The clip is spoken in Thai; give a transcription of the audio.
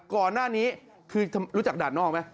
ก่อนหน้านี้คือรู้จักด่านนอกไหม